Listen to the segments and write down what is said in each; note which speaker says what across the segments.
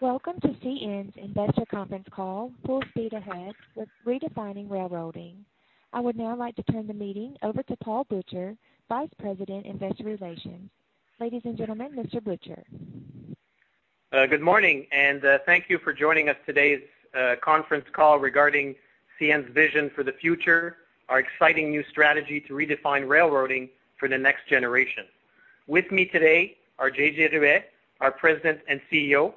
Speaker 1: Welcome to CN's investor conference call, Full Speed Ahead – Redefining Railroading. I would now like to turn the meeting over to Paul Butcher, Vice President, Investor Relations. Ladies and gentlemen, Mr. Butcher.
Speaker 2: Good morning, thank you for joining us. Today's conference call regarding CN's vision for the future, our exciting new strategy to redefine railroading for the next generation. With me today are JJ Ruest, our President and CEO,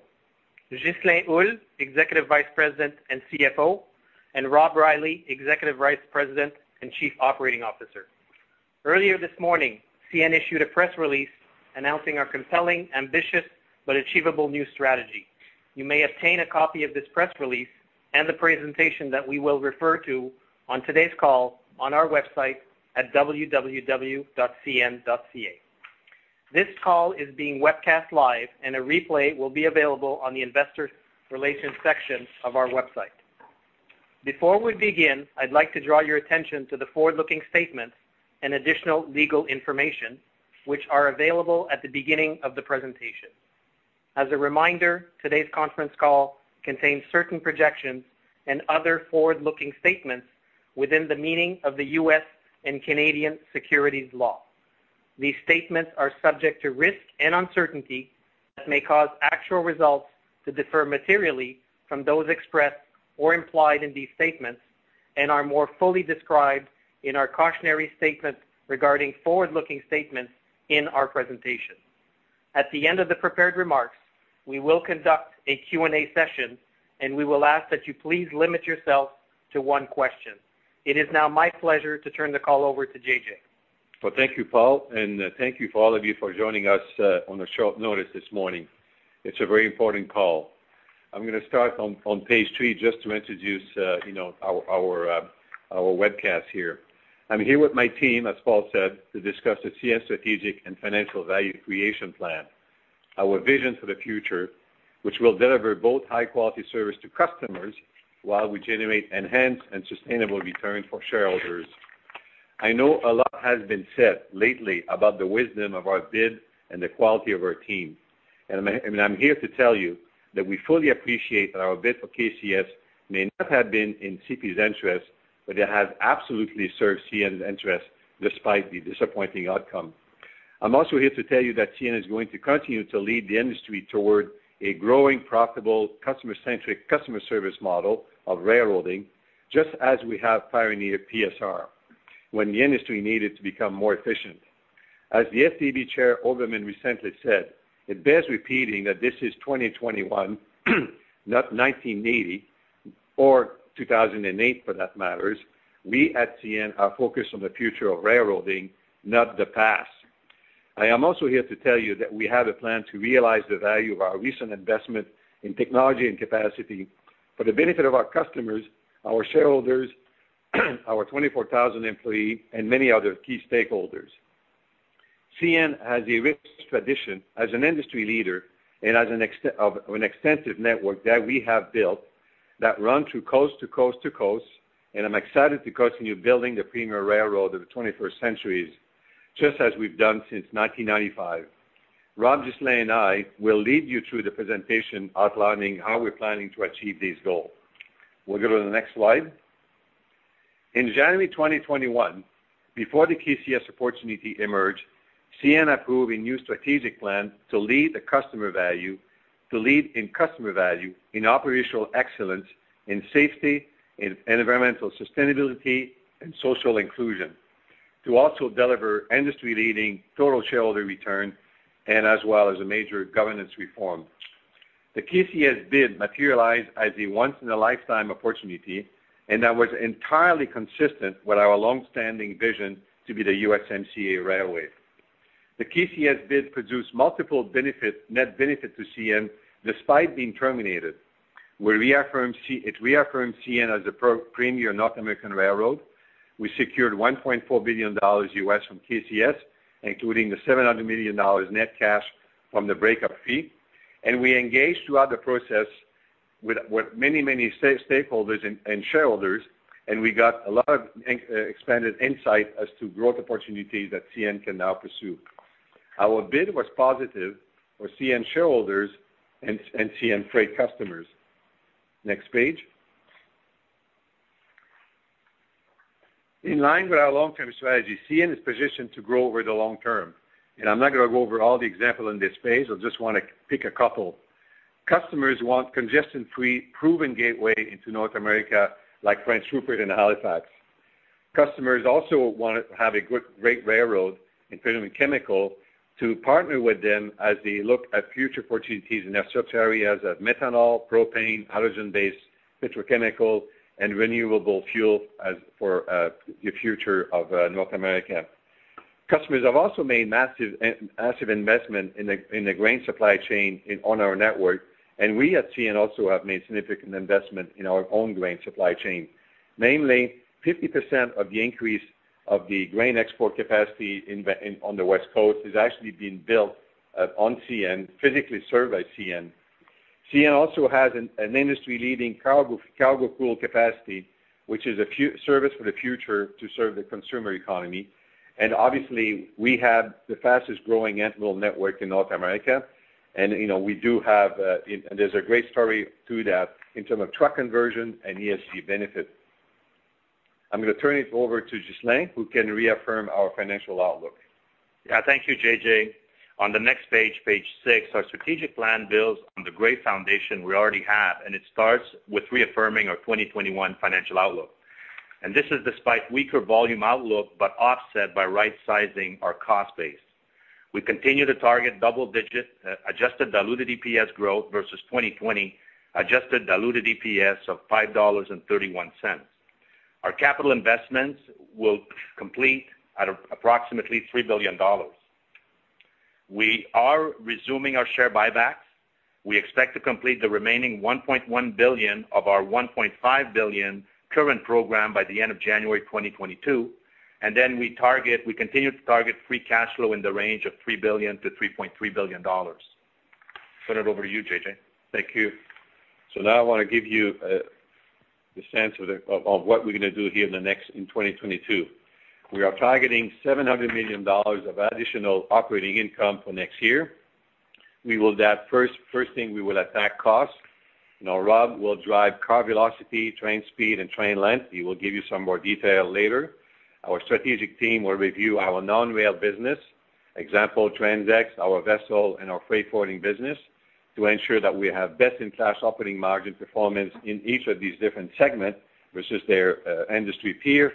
Speaker 2: Ghislain Houle, Executive Vice President and CFO, and Rob Reilly, Executive Vice President and Chief Operating Officer. Earlier this morning, CN issued a press release announcing our compelling, ambitious, but achievable new strategy. You may obtain a copy of this press release and the presentation that we will refer to on today's call on our website at www.cn.ca. This call is being webcast live, and a replay will be available on the Investor Relations section of our website. Before we begin, I'd like to draw your attention to the forward-looking statements and additional legal information which are available at the beginning of the presentation. As a reminder, today's conference call contains certain projections and other forward-looking statements within the meaning of the U.S. and Canadian securities law. These statements are subject to risk and uncertainty that may cause actual results to differ materially from those expressed or implied in these statements and are more fully described in our cautionary statement regarding forward-looking statements in our presentation. At the end of the prepared remarks, we will conduct a Q&A session, we will ask that you please limit yourself to one question. It is now my pleasure to turn the call over to JJ.
Speaker 3: Well, thank you, Paul, and thank you for all of you for joining us on a short notice this morning. It's a very important call. I'm going to start on page three just to introduce our webcast here. I'm here with my team, as Paul said, to discuss the CN Strategic and Financial Value Creation Plan, our vision for the future, which will deliver both high-quality service to customers while we generate enhanced and sustainable returns for shareholders. I know a lot has been said lately about the wisdom of our bid and the quality of our team, and I'm here to tell you that we fully appreciate that our bid for KCS may not have been in CP's interest, but it has absolutely served CN's interest despite the disappointing outcome. I'm also here to tell you that CN is going to continue to lead the industry toward a growing, profitable, customer-centric customer service model of railroading, just as we have pioneered PSR when the industry needed to become more efficient. As the STB Chair, Mr. Oberman, recently said, it bears repeating that this is 2021, not 1980 or 2008 for that matter. We at CN are focused on the future of railroading, not the past. I am also here to tell you that we have a plan to realize the value of our recent investment in technology and capacity for the benefit of our customers, our shareholders, our 24,000 employees, and many other key stakeholders. CN has a rich tradition as an industry leader and has an extensive network that we have built that runs through coast to coast to coast, and I'm excited to continue building the premier railroad of the 21st century, just as we've done since 1995. Rob, Ghislain, and I will lead you through the presentation outlining how we're planning to achieve these goals. We'll go to the next slide. In January 2021, before the KCS opportunity emerged, CN approved a new strategic plan to lead in customer value in operational excellence in safety, in environmental sustainability, and social inclusion, to also deliver industry-leading total shareholder return, and as well as a major governance reform. The KCS bid materialized as a once-in-a-lifetime opportunity, and that was entirely consistent with our long-standing vision to be the USMCA railway. The KCS bid produced multiple net benefits to CN despite being terminated. It reaffirmed CN as a premier North American railroad. We secured $1.4 billion from KCS, including the $700 million net cash from the breakup fee, and we engaged throughout the process with many stakeholders and shareholders, and we got a lot of expanded insight as to growth opportunities that CN can now pursue. Our bid was positive for CN shareholders and CN freight customers. Next page. In line with our long-term strategy, CN is positioned to grow over the long term, and I'm not going to go over all the examples on this page. I just want to pick a couple. Customers want congestion-free proven gateway into North America, like Prince Rupert and Halifax. Customers also want to have a great railroad in chemical to partner with them as they look at future opportunities in their sub areas of methanol, propane, halogen-based petrochemical, and renewable fuel for the future of North America. Customers have also made massive investment in the grain supply chain on our network, and we at CN also have made significant investment in our own grain supply chain. Mainly, 50% of the increase of the grain export capacity on the West Coast is actually being built on CN, physically served by CN. CN also has an industry-leading cargo pool capacity, which is a service for the future to serve the consumer economy. Obviously, we have the fastest growing animal network in North America, and there's a great story to that in terms of truck conversion and ESG benefit. I'm going to turn it over to Ghislain, who can reaffirm our financial outlook.
Speaker 4: Thank you, JJ. On the next page six, our strategic plan builds on the great foundation we already have. It starts with reaffirming our 2021 financial outlook. This is despite weaker volume outlook, offset by right-sizing our cost base. We continue to target double-digit adjusted diluted EPS growth versus 2020 adjusted diluted EPS of 5.31 dollars. Our capital investments will complete at approximately 3 billion dollars. We are resuming our share buybacks. We expect to complete the remaining 1.1 billion of our 1.5 billion current program by the end of January 2022. We continue to target free cash flow in the range of 3 billion-3.3 billion dollars. Turn it over to you, JJ.
Speaker 3: Thank you. Now I want to give you a sense of what we're going to do here in 2022. We are targeting 700 million dollars of additional operating income for next year. First thing, we will attack cost. Rob will drive car velocity, train speed, and train length. He will give you some more detail later. Our strategic team will review our non-rail business, example, TransX, our vessel, and our freight forwarding business to ensure that we have best-in-class operating margin performance in each of these different segments versus their industry peer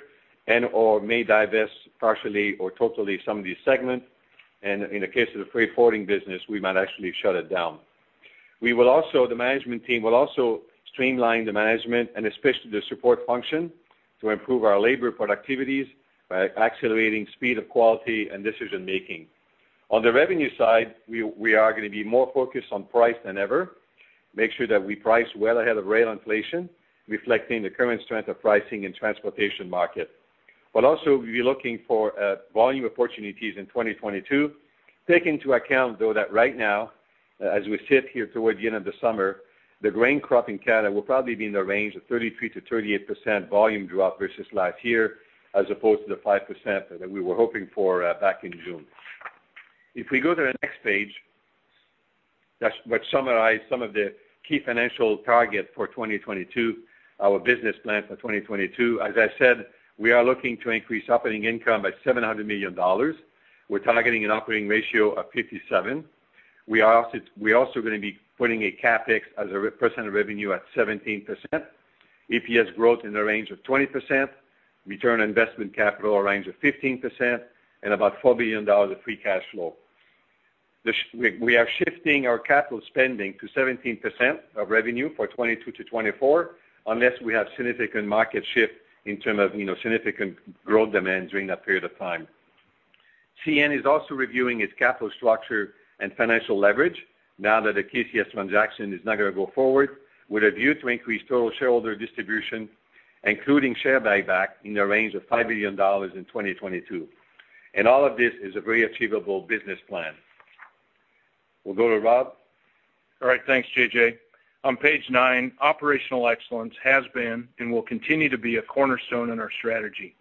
Speaker 3: and/or may divest partially or totally some of these segments. In the case of the freight forwarding business, we might actually shut it down. The management team will also streamline the management and especially the support function to improve our labor productivities by accelerating speed of quality and decision making. On the revenue side, we are going to be more focused on price than ever, make sure that we price well ahead of rail inflation, reflecting the current strength of pricing in transportation market. We'll also be looking for volume opportunities in 2022. Take into account, though, that right now, as we sit here toward the end of the summer, the grain crop in Canada will probably be in the range of 33%-38% volume drop versus last year as opposed to the 5% that we were hoping for back in June. If we go to the next page, that summarized some of the key financial target for 2022, our business plan for 2022. As I said, we are looking to increase operating income by 700 million dollars. We're targeting an operating ratio of 57%. We're also going to be putting a CapEx as a percent of revenue at 17%, EPS growth in the range of 20%, return on investment capital a range of 15%, and about 4 billion dollars of free cash flow. We are shifting our capital spending to 17% of revenue for 2022-2024, unless we have significant market shift in terms of significant growth demand during that period of time. CN is also reviewing its capital structure and financial leverage now that the KCS transaction is not going to go forward, with a view to increase total shareholder distribution, including share buyback in the range of 5 billion dollars in 2022. All of this is a very achievable business plan. We'll go to Rob.
Speaker 5: All right. Thanks, JJ. On page nine, operational excellence has been and will continue to be a cornerstone in our strategy.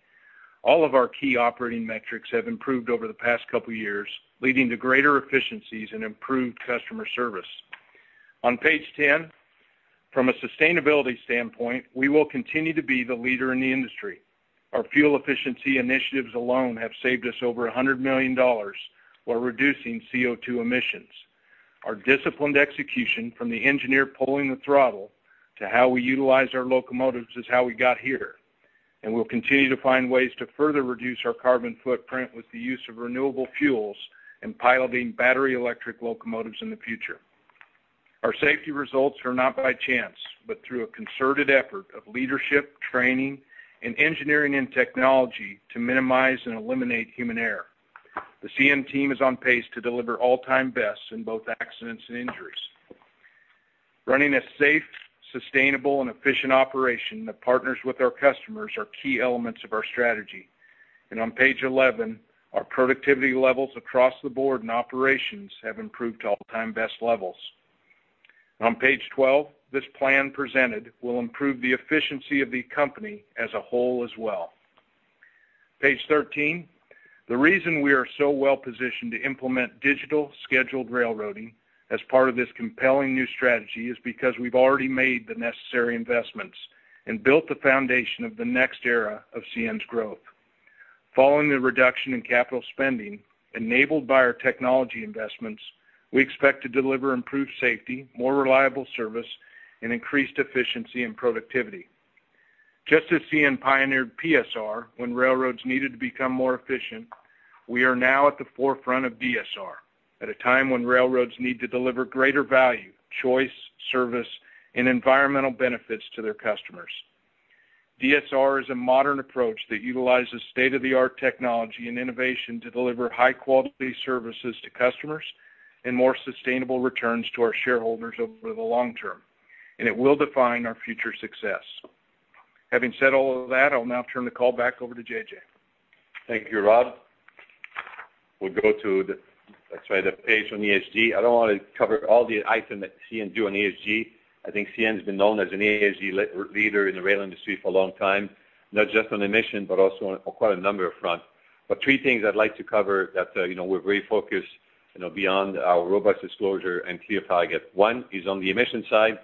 Speaker 5: All of our key operating metrics have improved over the past couple of years, leading to greater efficiencies and improved customer service. On page 10, from a sustainability standpoint, we will continue to be the leader in the industry. Our fuel efficiency initiatives alone have saved us over 100 million dollars while reducing CO2 emissions. Our disciplined execution from the engineer pulling the throttle to how we utilize our locomotives is how we got here, and we'll continue to find ways to further reduce our carbon footprint with the use of renewable fuels and piloting battery electric locomotives in the future. Our safety results are not by chance, but through a concerted effort of leadership, training, and engineering and technology to minimize and eliminate human error. The CN team is on pace to deliver all-time bests in both accidents and injuries. Running a safe, sustainable, and efficient operation that partners with our customers are key elements of our strategy. On page 11, our productivity levels across the board and operations have improved to all-time best levels. On page 12, this plan presented will improve the efficiency of the company as a whole as well. Page 13, the reason we are so well-positioned to implement digital scheduled railroading as part of this compelling new strategy is because we've already made the necessary investments and built the foundation of the next era of CN's growth. Following the reduction in capital spending enabled by our technology investments, we expect to deliver improved safety, more reliable service, and increased efficiency and productivity. Just as CN pioneered PSR when railroads needed to become more efficient, we are now at the forefront of DSR at a time when railroads need to deliver greater value, choice, service, and environmental benefits to their customers. DSR is a modern approach that utilizes state-of-the-art technology and innovation to deliver high-quality services to customers and more sustainable returns to our shareholders over the long term. It will define our future success. Having said all of that, I'll now turn the call back over to JJ.
Speaker 3: Thank you, Rob. We'll go to the page on ESG. I don't want to cover all the items that CN do on ESG. I think CN has been known as an ESG leader in the rail industry for a long time, not just on emission, but also on quite a number of fronts. Three things I'd like to cover that we're very focused on beyond our robust disclosure and clear target. One is on the emission side.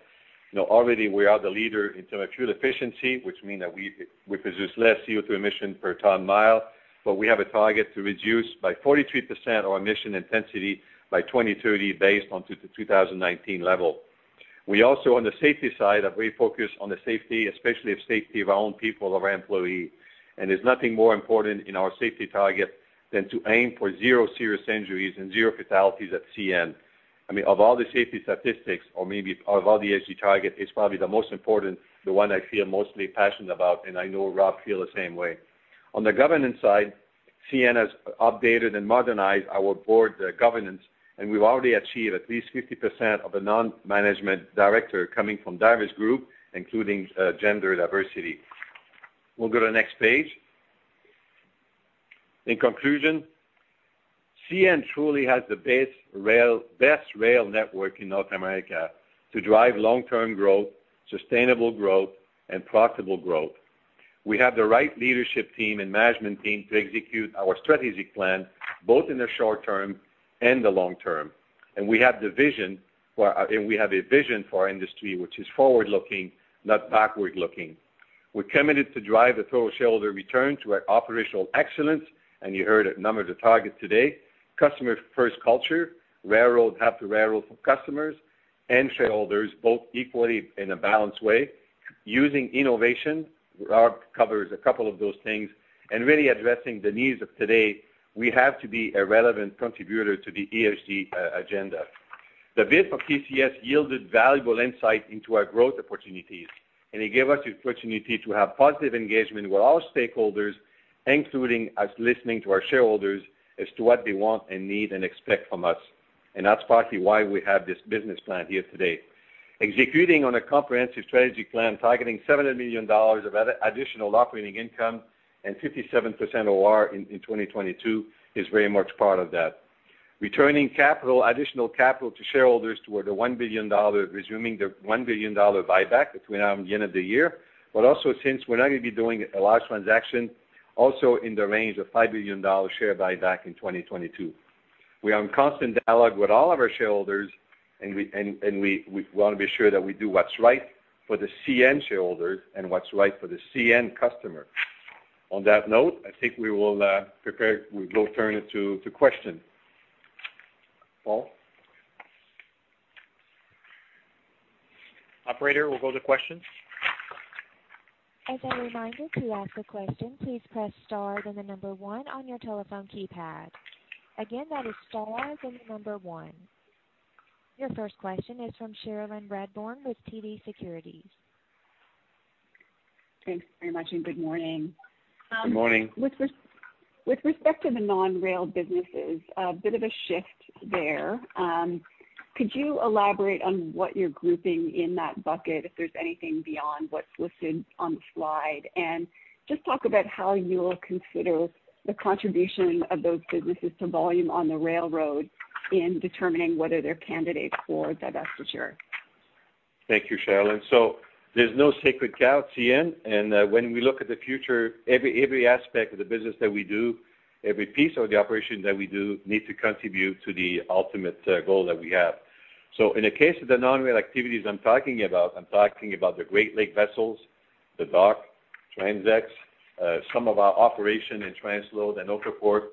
Speaker 3: Already we are the leader in terms of fuel efficiency, which means that we produce less CO2 emission per ton mile, but we have a target to reduce by 43% our emission intensity by 2030, based on 2019 level. We also, on the safety side, are very focused on the safety, especially of safety of our own people, of our employees. There's nothing more important in our safety target than to aim for zero serious injuries and zero fatalities at CN. Of all the safety statistics or maybe of all the ESG target, it's probably the most important, the one I feel mostly passionate about, and I know Rob feels the same way. On the governance side, CN has updated and modernized our board governance, and we've already achieved at least 50% of the non-management director coming from diverse groups, including gender diversity. We'll go to the next page. In conclusion, CN truly has the best rail network in North America to drive long-term growth, sustainable growth, and profitable growth. We have the right leadership team and management team to execute our strategic plan, both in the short term and the long term. We have a vision for our industry, which is forward-looking, not backward-looking. We're committed to drive total shareholder return through our operational excellence, and you heard a number of the targets today. Customer-first culture, railroad have to railroad for customers and shareholders, both equally in a balanced way, using innovation, Rob covers a couple of those things, and really addressing the needs of today, we have to be a relevant contributor to the ESG agenda. The bid for KCS yielded valuable insight into our growth opportunities, and it gave us the opportunity to have positive engagement with all stakeholders, including us listening to our shareholders as to what they want and need and expect from us. That's partly why we have this business plan here today. Executing on a comprehensive strategy plan targeting 700 million dollars of additional operating income and 57% OR in 2022 is very much part of that. Returning additional capital to shareholders toward the 1 billion dollar, resuming the 1 billion dollar buyback between now and the end of the year. Also, since we're now going to be doing a large transaction, also in the range of 5 billion dollars share buyback in 2022. We are in constant dialogue with all of our shareholders, and we want to be sure that we do what's right for the CN shareholders and what's right for the CN customer. On that note, I think we will prepare. We will turn it to questions. Paul?
Speaker 2: Operator, we'll go to questions.
Speaker 1: As a reminder to ask a question, please press star then a number one on your telephone keypad. Again, that is star then a number one. Your first question is from Cherilyn Radbourne with TD Securities.
Speaker 6: Thanks very much, and good morning.
Speaker 3: Good morning.
Speaker 6: With respect to the non-rail businesses, a bit of a shift there. Could you elaborate on what you're grouping in that bucket, if there's anything beyond what's listed on the slide? Just talk about how you'll consider the contribution of those businesses to volume on the railroad in determining whether they're candidates for divestiture.
Speaker 3: Thank you, Cherilyn. There's no sacred cow at CN, and when we look at the future, every aspect of the business that we do, every piece of the operation that we do, needs to contribute to the ultimate goal that we have. In the case of the non-rail activities I'm talking about, I'm talking about the Great Lakes vessels, the dock, TransX, some of our operation in transload and Autoport,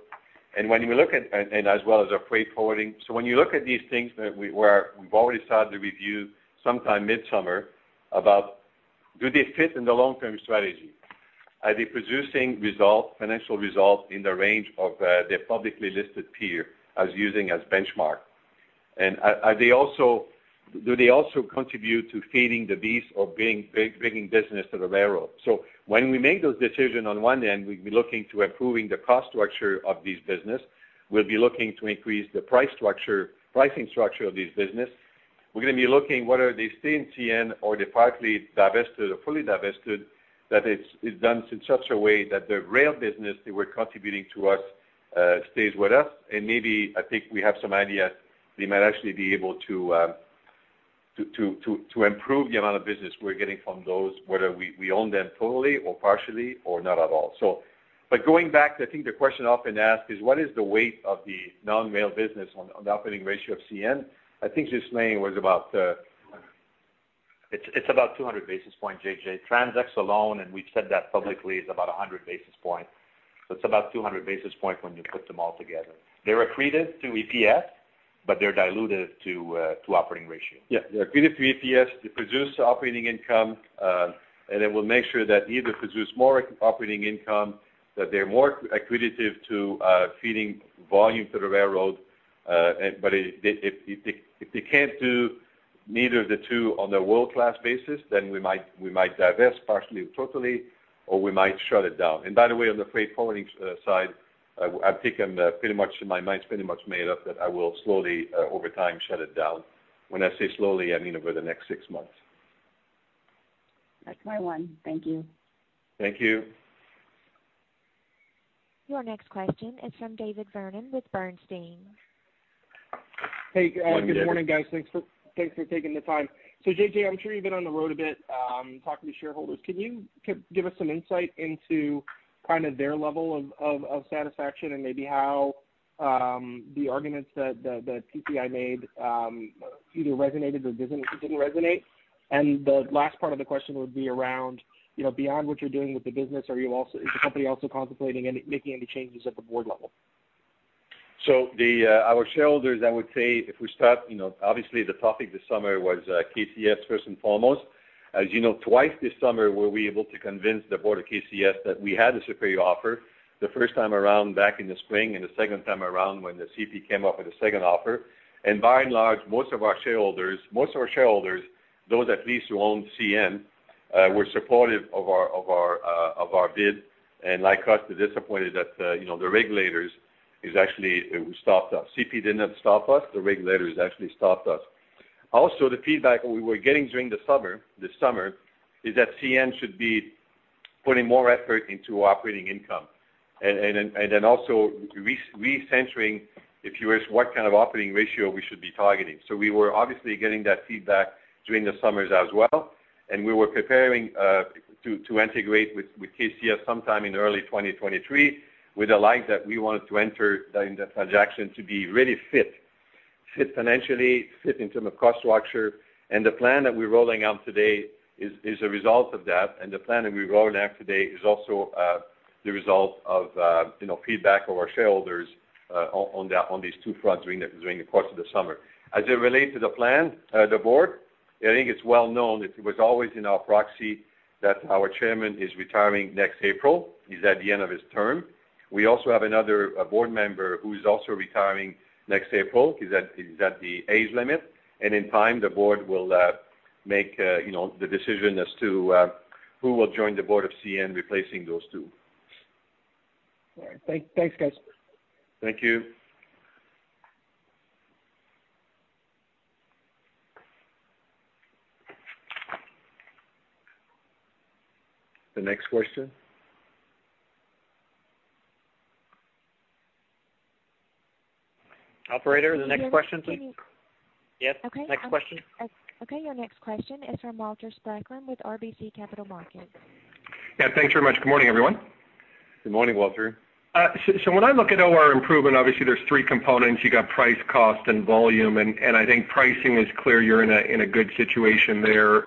Speaker 3: and as well as our freight forwarding. When you look at these things, where we've already started to review sometime midsummer about do they fit in the long-term strategy? Are they producing results, financial results, in the range of their publicly listed peer as using as benchmark? Do they also contribute to feeding the beast or bringing business to the railroad? When we make those decisions, on one end, we will be looking to improving the cost structure of this business. We will be looking to increase the pricing structure of this business. We are going to be looking whether they stay in CN or they are partly divested or fully divested, that it is done in such a way that the rail business they were contributing to us stays with us. Maybe, I think we have some ideas, we might actually be able to improve the amount of business we are getting from those, whether we own them totally or partially or not at all. Going back, I think the question often asked is what is the weight of the non-rail business on the operating ratio of CN?
Speaker 4: It's about 200 basis points, JJ. TransX alone, and we've said that publicly, is about 100 basis points. It's about 200 basis points when you put them all together. They're accretive to EPS, but they're dilutive to operating ratio.
Speaker 3: Yeah, they're accretive to EPS. They produce operating income, and then we'll make sure that they either produce more operating income, that they're more accretive to feeding volume to the railroad. If they can't do neither of the two on a world-class basis, then we might divest partially or totally, or we might shut it down. By the way, on the freight forwarding side, my mind's pretty much made up that I will slowly, over time, shut it down. When I say slowly, I mean over the next six months.
Speaker 6: That's my one. Thank you.
Speaker 3: Thank you.
Speaker 1: Your next question is from David Vernon with Bernstein.
Speaker 7: Hey, good morning, guys. Thanks for taking the time. JJ, I'm sure you've been on the road a bit, talking to shareholders. Can you give us some insight into their level of satisfaction and maybe how the arguments that TCI made either resonated or didn't resonate? The last part of the question would be around, beyond what you're doing with the business, is the company also contemplating making any changes at the board level?
Speaker 3: Our shareholders, I would say if we start, obviously the topic this summer was KCS, first and foremost. As you know, twice this summer were we able to convince the board of KCS that we had the superior offer, the first time around back in the spring, and the second time around when the CP came up with a second offer. By and large, most of our shareholders, those at least who own CN, were supportive of our bid. Like us, they're disappointed that the regulators actually stopped us. CP did not stop us. The regulators actually stopped us. The feedback we were getting during this summer is that CN should be putting more effort into operating income. Recentering, if you ask what kind of operating ratio we should be targeting. We were obviously getting that feedback during the summers as well, and we were preparing to integrate with KCS sometime in early 2023 with the light that we wanted to enter in the transaction to be really fit. Fit financially, fit in terms of cost structure. The plan that we're rolling out today is a result of that, and the plan that we're rolling out today is also the result of feedback of our shareholders on these two fronts during the course of the summer. As it relates to the board, I think it's well known, it was always in our proxy that our Chairman is retiring next April. He's at the end of his term. We also have another board member who's also retiring next April. He's at the age limit. In time, the board will make the decision as to who will join the board of CN, replacing those two.
Speaker 7: All right. Thanks, guys.
Speaker 3: Thank you. The next question?
Speaker 2: Operator, the next question, please?
Speaker 1: Yes.
Speaker 2: Yes. Next question.
Speaker 1: Okay. Your next question is from Walter Spracklin with RBC Capital Markets.
Speaker 8: Yeah. Thanks very much. Good morning, everyone.
Speaker 3: Good morning, Walter.
Speaker 8: When I look at OR improvement, obviously there's three components. You got price, cost, and volume, and I think pricing is clear you're in a good situation there.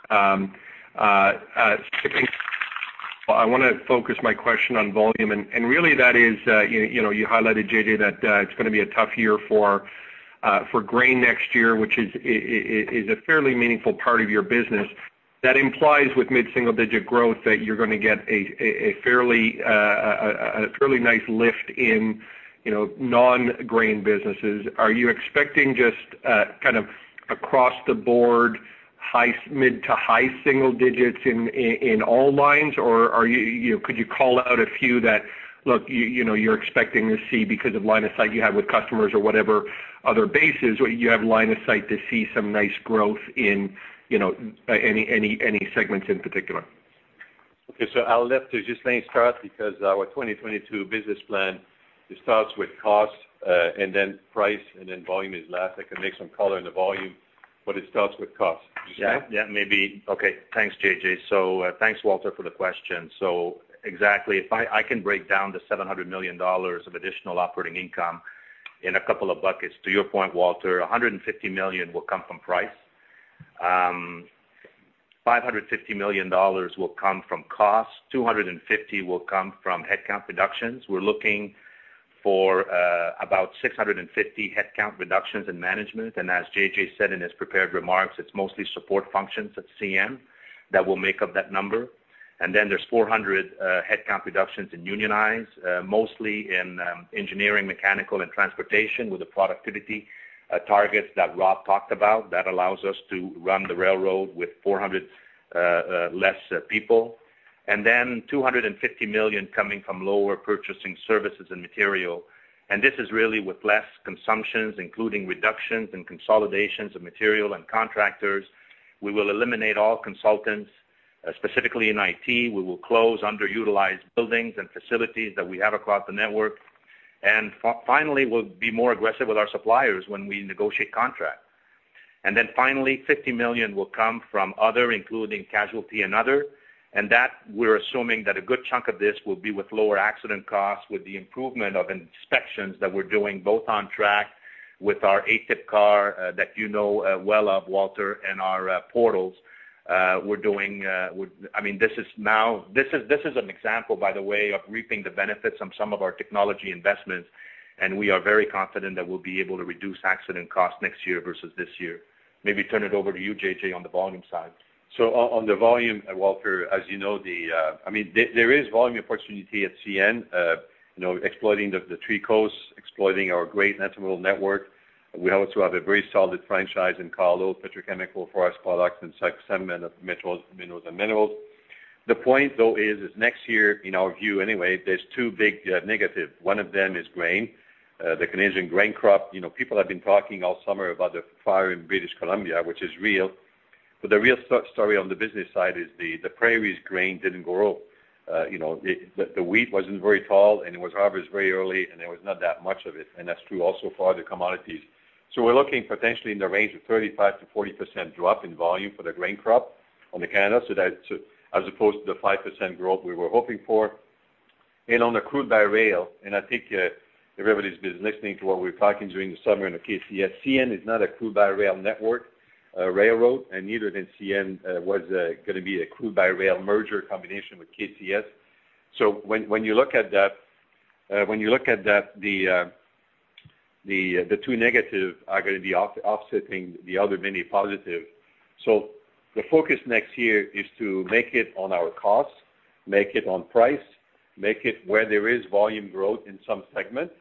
Speaker 8: I want to focus my question on volume, and really that is, you highlighted, JJ, that it's going to be a tough year for grain next year, which is a fairly meaningful part of your business. That implies with mid-single-digit growth that you're going to get a fairly nice lift in non-grain businesses. Are you expecting just across the board, mid- to high-single digits in all lines? Could you call out a few that you're expecting to see because of line of sight you have with customers or whatever other bases you have line of sight to see some nice growth in any segments in particular?
Speaker 3: Okay. I'll let Ghislain start because our 2022 business plan starts with cost, and then price, and then volume is last. I can make some color in the volume, but it starts with cost. You can start?
Speaker 4: Yeah, maybe. Okay. Thanks, JJ. Thanks, Walter, for the question. Exactly. I can break down the 700 million dollars of additional operating income in a couple of buckets. To your point, Walter, 150 million will come from price. 550 million dollars will come from cost. 250 million will come from headcount reductions. We're looking for about 650 headcount reductions in management, and as JJ said in his prepared remarks, it's mostly support functions at CN that will make up that number. There's 400 headcount reductions in unionized, mostly in engineering, mechanical, and transportation with the productivity targets that Rob talked about, that allows us to run the railroad with 400 less people. 250 million coming from lower purchasing services and material. This is really with less consumptions, including reductions and consolidations of material and contractors. We will eliminate all consultants, specifically in IT. We will close underutilized buildings and facilities that we have across the network. Finally, we'll be more aggressive with our suppliers when we negotiate contracts. Then finally, 50 million will come from other, including casualty and other, and that we're assuming that a good chunk of this will be with lower accident costs with the improvement of inspections that we're doing both on track with our ATIP car that you know well of, Walter, and our portals. This is an example, by the way, of reaping the benefits of some of our technology investments, and we are very confident that we'll be able to reduce accident cost next year versus this year. Maybe turn it over to you, JJ, on the volume side.
Speaker 3: On the volume, Walter, as you know, there is volume opportunity at CN, exploiting the three coasts, exploiting our great intermodal network. We also have a very solid franchise in carload, petrochemical, forest products, and some metals and minerals. The point though is next year, in our view anyway, there is two big negatives. One of them is grain, the Canadian grain crop. People have been talking all summer about the fire in British Columbia, which is real, but the real story on the business side is the prairies grain didn't grow. The wheat wasn't very tall, and it was harvested very early, and there was not that much of it, and that's true also for other commodities. We're looking potentially in the range of 35%-40% drop in volume for the grain crop in Canada, as opposed to the 5% growth we were hoping for. On the crude by rail, and I think everybody's been listening to what we're talking during the summer on the KCS. CN is not a crude by rail network railroad, neither then CN was going to be a crude by rail merger combination with KCS. When you look at that, the two negatives are going to be offsetting the other mini positive. The focus next year is to make it on our costs, make it on price, make it where there is volume growth in some segments.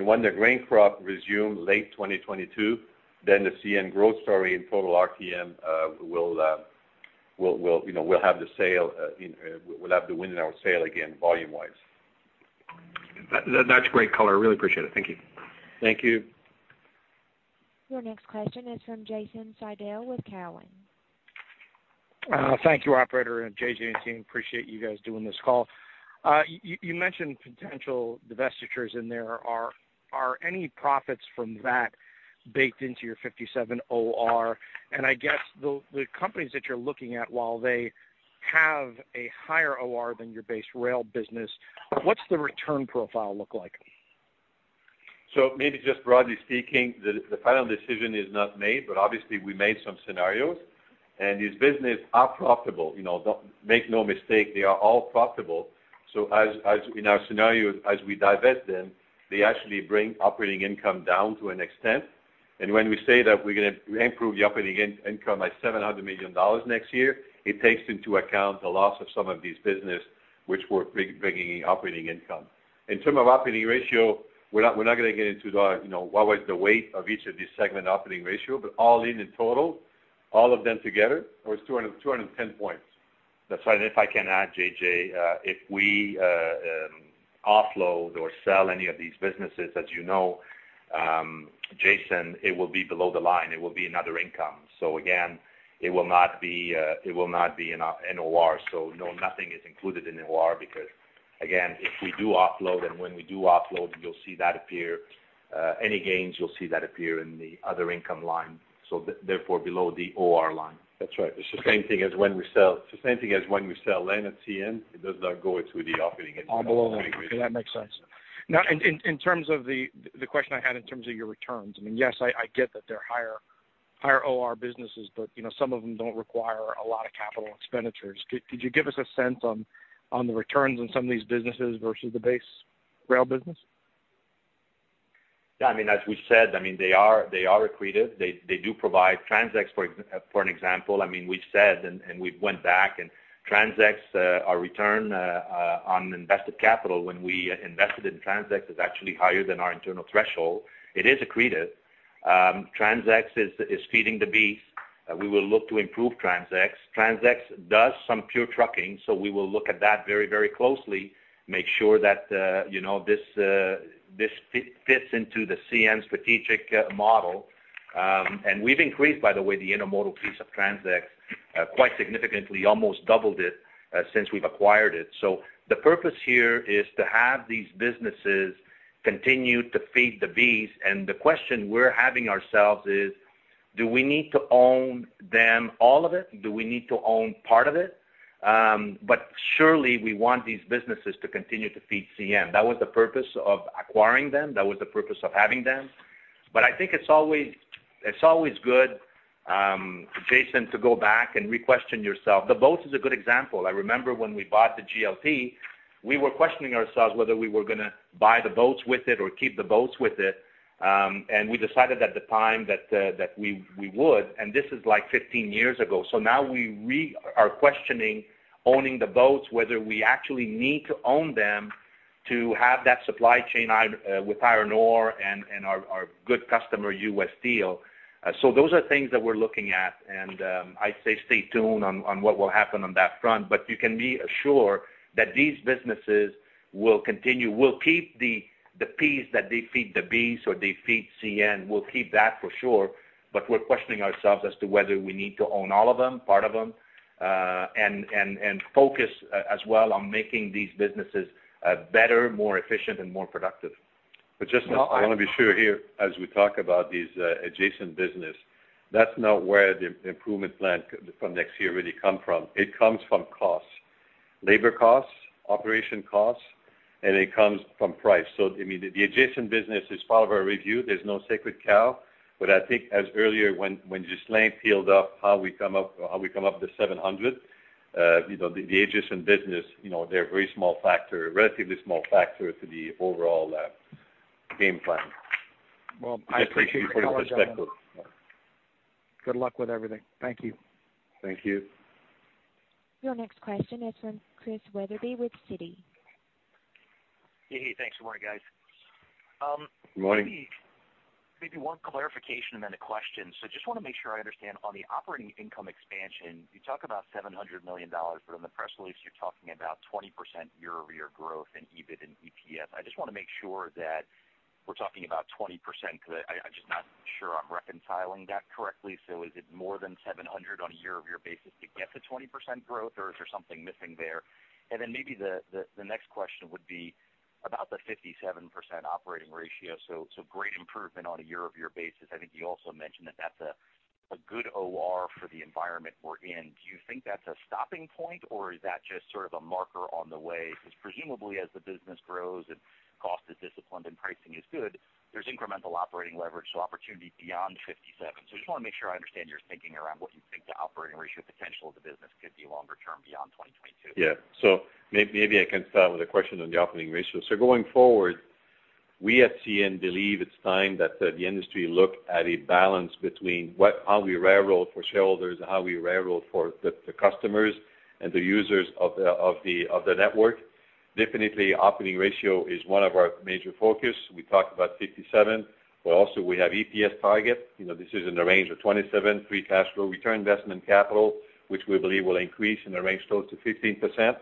Speaker 3: When the grain crop resumes late 2022, then the CN growth story in total RTM will have the wind in our sail again, volume-wise.
Speaker 8: That's great color. I really appreciate it. Thank you.
Speaker 3: Thank you.
Speaker 1: Your next question is from Jason Seidl with Cowen.
Speaker 9: Thank you, operator and JJ and team. Appreciate you guys doing this call. You mentioned potential divestitures in there. Are any profits from that baked into your 57% OR? I guess the companies that you're looking at, while they have a higher OR than your base rail business, what's the return profile look like?
Speaker 3: Maybe just broadly speaking, the final decision is not made, but obviously, we made some scenarios, and these businesses are profitable. Make no mistake, they are all profitable. In our scenario, as we divest them, they actually bring operating income down to an extent. When we say that we're going to improve the operating income by 700 million dollars next year, it takes into account the loss of some of these business which were bringing in operating income. In terms of operating ratio, we're not going to get into what was the weight of each of these segment operating ratio, but all in in total, all of them together, it was 210 points.
Speaker 4: That's right. If I can add, JJ, if we offload or sell any of these businesses, as you know, Jason, it will be below the line. It will be another income. Again, it will not be in OR. No, nothing is included in OR because, again, if we do offload and when we do offload, you'll see that appear. Any gains, you'll see that appear in the other income line, so therefore below the OR line.
Speaker 3: That's right. It's the same thing as when we sell land at CN, it does not go into the operating income.
Speaker 9: Below the line. That makes sense. The question I had in terms of your returns, I mean, yes, I get that they're higher OR businesses, but some of them don't require a lot of capital expenditures. Could you give us a sense on the returns on some of these businesses versus the base rail business?
Speaker 4: Yeah, as we said, they are accretive. They do provide TransX for an example. We've said and we went back, TransX, our return on invested capital when we invested in TransX, is actually higher than our internal threshold. It is accretive. TransX is feeding the beast. We will look to improve TransX. TransX does some pure trucking, we will look at that very closely, make sure that this fits into the CN strategic model. We've increased, by the way, the intermodal piece of TransX quite significantly, almost doubled it since we've acquired it. The purpose here is to have these businesses continue to feed the beast, and the question we're having ourselves is: Do we need to own them, all of it? Do we need to own part of it? Surely, we want these businesses to continue to feed CN. That was the purpose of acquiring them. That was the purpose of having them. I think it's always good, Jason, to go back and re-question yourself. The boats is a good example. I remember when we bought the GLT, we were questioning ourselves whether we were going to buy the boats with it or keep the boats with it, and we decided at the time that we would, and this is like 15 years ago. Now we are questioning owning the boats, whether we actually need to own them to have that supply chain with iron ore and our good customer, U.S. Steel. Those are things that we're looking at, and I'd say stay tuned on what will happen on that front. You can be assured that these businesses will continue. We'll keep the piece that they feed the beast or they feed CN. We'll keep that for sure. We're questioning ourselves as to whether we need to own all of them, part of them, and focus as well on making these businesses better, more efficient, and more productive.
Speaker 3: Just, I want to be sure here as we talk about these adjacent business, that's not where the improvement plan from next year really come from. It comes from costs, labor costs, operation costs, and it comes from price. The adjacent business is part of our review. There's no sacred cow. I think as earlier when Ghislain peeled up how we come up with the 700, the adjacent business, they're a very small factor, relatively small factor to the overall game plan.
Speaker 9: Well, I appreciate your perspective.
Speaker 3: Just to put it in perspective.
Speaker 9: Good luck with everything. Thank you.
Speaker 3: Thank you.
Speaker 1: Your next question is from Chris Wetherbee with Citi.
Speaker 10: Hey. Thanks. Good morning, guys.
Speaker 3: Good morning.
Speaker 10: Maybe one clarification and then a question. Just want to make sure I understand. On the operating income expansion, you talk about 700 million dollars, but in the press release, you're talking about 20% year-over-year growth in EBIT and EPS. I just want to make sure that we're talking about 20%, because I'm just not sure I'm reconciling that correctly. Is it more than 700 on a year-over-year basis to get to 20% growth, or is there something missing there? Then maybe the next question would be about the 57% operating ratio. Great improvement on a year-over-year basis. I think you also mentioned that that's a good OR for the environment we're in. Do you think that's a stopping point, or is that just sort of a marker on the way? Presumably as the business grows and cost is disciplined and pricing is good, there's incremental operating leverage, opportunity beyond 57%. I just want to make sure I understand your thinking around what you think the operating ratio potential of the business could be longer term beyond 2022.
Speaker 3: Yeah. Maybe I can start with a question on the operating ratio. Going forward, we at CN believe it's time that the industry look at a balance between how we railroad for shareholders and how we railroad for the customers and the users of the network. Definitely, operating ratio is one of our major focus. We talked about 57%, but also we have EPS target. This is in the range of 27%, free cash flow, return investment capital, which we believe will increase in the range close to 15%.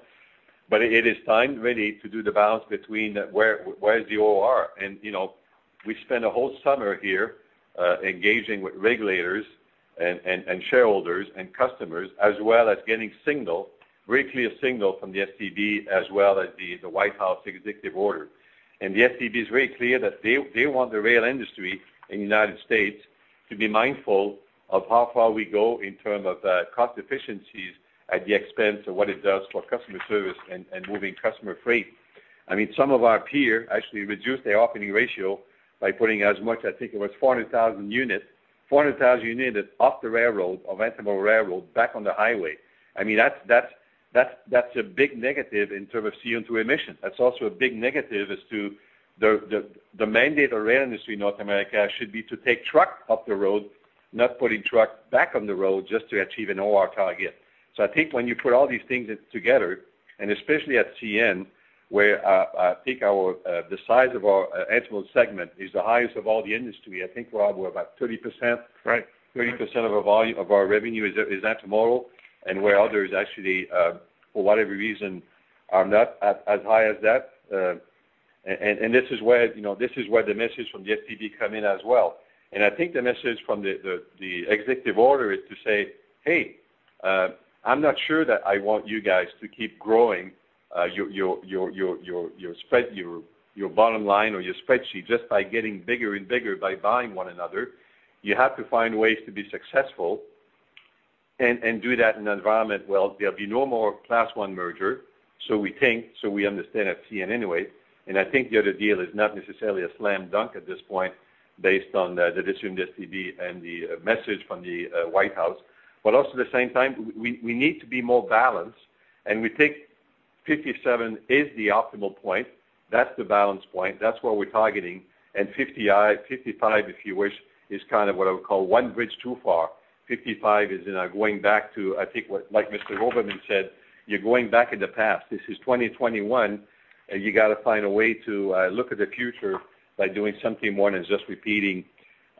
Speaker 3: It is time, really, to do the balance between where is the OR. We spent a whole summer here engaging with regulators and shareholders and customers, as well as getting signal, very clear signal from the STB as well as the White House executive order. The STB is very clear that they want the rail industry in United States. to be mindful of how far we go in term of cost efficiencies at the expense of what it does for customer service and moving customer freight. I mean, some of our peer actually reduced their operating ratio by putting as much, I think it was 400,000 units off the railroad, of intermodal railroad, back on the highway. I mean, that's a big negative in terms of CO2 emissions. That's also a big negative as to the mandate of rail industry in North America should be to take truck off the road, not putting truck back on the road just to achieve an OR target. I think when you put all these things together, and especially at CN, where I think the size of our intermodal segment is the highest of all the industry, I think, Rob, we're about 30%?
Speaker 5: Right.
Speaker 3: 30% of our revenue is intermodal, where others actually, for whatever reason, are not as high as that. This is where the message from the STB come in as well. I think the message from the executive order is to say, hey, I'm not sure that I want you guys to keep growing your bottom line or your spreadsheet just by getting bigger and bigger by buying one another. You have to find ways to be successful and do that in an environment where there'll be no more Class I merger. We think, so we understand at CN anyway, I think the other deal is not necessarily a slam dunk at this point based on the decision of STB and the message from the White House. Also at the same time, we need to be more balanced, and we think 57% is the optimal point. That's the balance point. That's where we're targeting. 55%, if you wish, is kind of what I would call one bridge too far. 55% is going back to, I think, like Mr. Oberman said, you're going back in the past. This is 2021, and you got to find a way to look at the future by doing something more than just repeating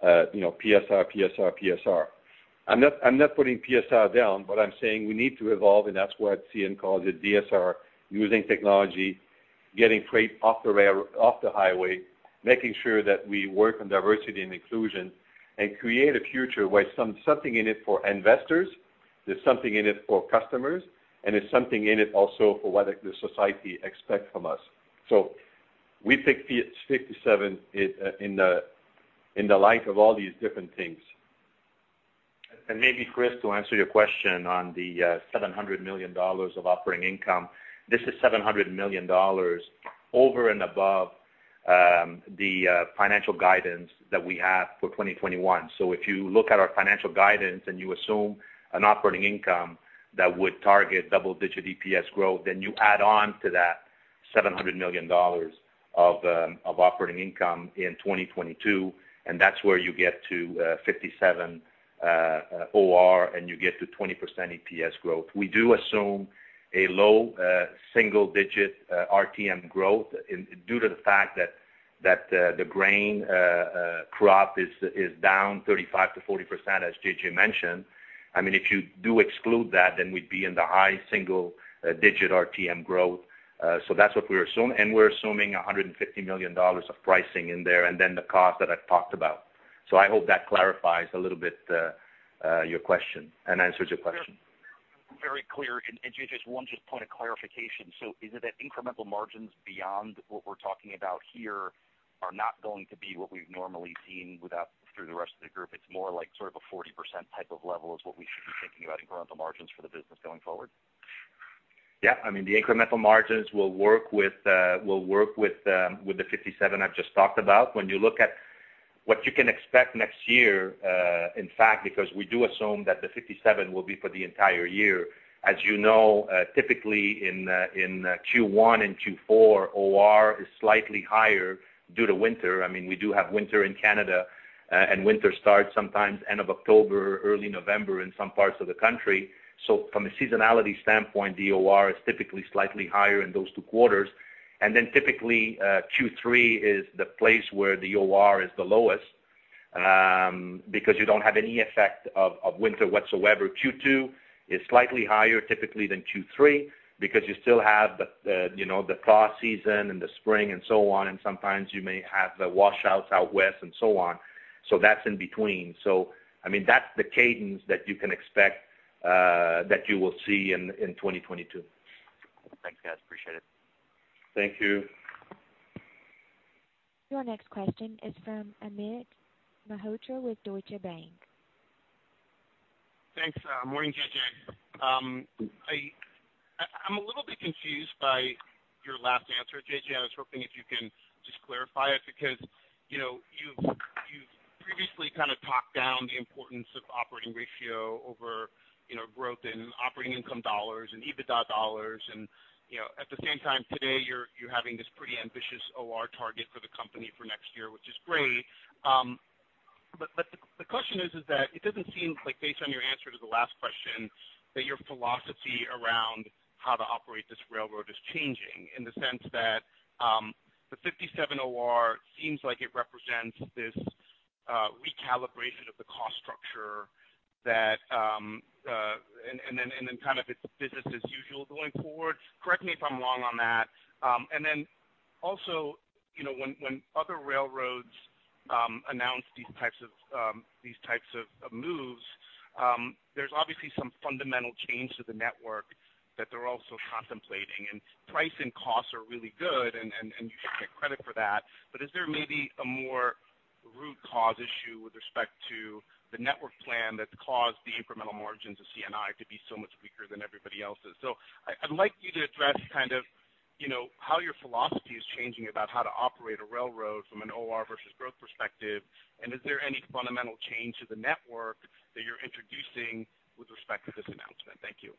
Speaker 3: PSR, PSR. I'm not putting PSR down, but I'm saying we need to evolve, and that's why at CN calls it DSR, using technology, getting freight off the highway, making sure that we work on diversity and inclusion, and create a future where something in it for investors, there's something in it for customers, and there's something in it also for what the society expect from us. We think 57% in the light of all these different things.
Speaker 4: Maybe, Chris, to answer your question on the 700 million dollars of operating income, this is 700 million dollars over and above the financial guidance that we have for 2021. If you look at our financial guidance and you assume an operating income that would target double-digit EPS growth, then you add on to that 700 million dollars of operating income in 2022. That's where you get to 57% OR. You get to 20% EPS growth. We do assume a low single-digit RTM growth due to the fact that the grain crop is down 35%-40%, as JJ mentioned. I mean, if you do exclude that, then we'd be in the high single-digit RTM growth. That's what we assume. We're assuming 150 million dollars of pricing in there, and then the cost that I've talked about. I hope that clarifies a little bit your question and answers your question.
Speaker 10: Very clear. JJ, just one point of clarification. Is it that incremental margins beyond what we're talking about here are not going to be what we've normally seen through the rest of the group? It's more like sort of a 40% type of level is what we should be thinking about incremental margins for the business going forward?
Speaker 4: I mean, the incremental margins will work with the 57% I've just talked about. When you look at what you can expect next year, in fact, because we do assume that the 57% will be for the entire year. As you know, typically in Q1 and Q4, OR is slightly higher due to winter. I mean, we do have winter in Canada, and winter starts sometimes end of October, early November in some parts of the country. From a seasonality standpoint, the OR is typically slightly higher in those two quarters. Typically, Q3 is the place where the OR is the lowest. You don't have any effect of winter whatsoever. Q2 is slightly higher typically than Q3 because you still have the frost season and the spring and so on, and sometimes you may have the washouts out west and so on. That's in between. That's the cadence that you can expect that you will see in 2022.
Speaker 10: Thanks, guys. Appreciate it.
Speaker 3: Thank you.
Speaker 1: Your next question is from Amit Malhotra with Deutsche Bank.
Speaker 11: Thanks. Morning, JJ. I'm a little bit confused by your last answer, JJ. I was hoping if you can just clarify it, because you've previously kind of talked down the importance of operating ratio over growth in operating income dollars and EBITDA dollars. At the same time, today, you're having this pretty ambitious OR target for the company for next year, which is great. The question is that it doesn't seem like, based on your answer to the last question, that your philosophy around how to operate this railroad is changing in the sense that the 57% OR seems like it represents this recalibration of the cost structure and then kind of it's business as usual going forward. Correct me if I'm wrong on that? Also, when other railroads announce these types of moves, there's obviously some fundamental change to the network that they're also contemplating, and price and costs are really good, and you should get credit for that. Is there maybe a more root cause issue with respect to the network plan that's caused the incremental margins of CNI to be so much weaker than everybody else's? I'd like you to address how your philosophy is changing about how to operate a railroad from an OR versus growth perspective, and is there any fundamental change to the network that you're introducing with respect to this announcement? Thank you.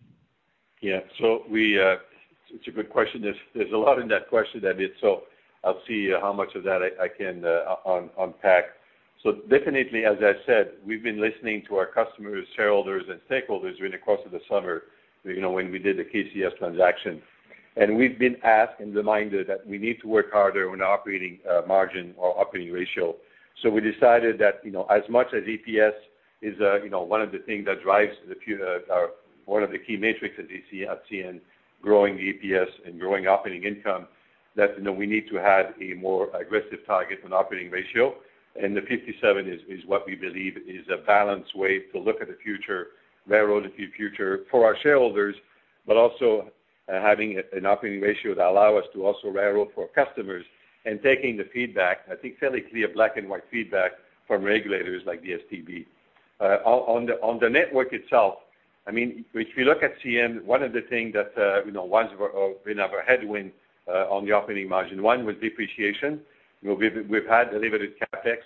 Speaker 3: It's a good question. There's a lot in that question, Amit, I'll see how much of that I can unpack. Definitely, as I said, we've been listening to our customers, shareholders, and stakeholders during the course of the summer, when we did the KCS transaction. We've been asked and reminded that we need to work harder on operating margin or operating ratio. We decided that as much as EPS is one of the key metrics at CN, growing EPS and growing operating income, that we need to have a more aggressive target on operating ratio. The 57% is what we believe is a balanced way to look at the future railroad, the future for our shareholders, but also having an operating ratio that allow us to also railroad for our customers and taking the feedback, I think fairly clear black and white feedback from regulators like the STB. On the network itself, if you look at CN, one of the thing that was been of a headwind on the operating margin, one was depreciation. We've had elevated CapEx.